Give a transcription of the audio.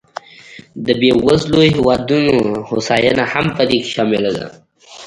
د بېوزلو هېوادونو هوساینه هم په دې کې شامله ده.